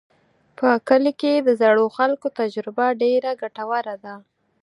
په کلي کې د زړو خلکو تجربه ډېره ګټوره ده.